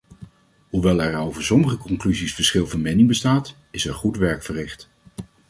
Hoewel er over sommige conclusies verschil van mening bestaat, is er goed werk verricht.